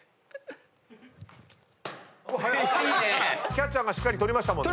キャッチャーがしっかり捕りましたね。